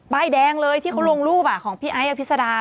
แป้งแกร่งเลยที่เขาลงรูปอะของพี่ไอ้อภิษฎา